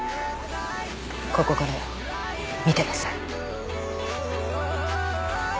ここからよ見てなさい。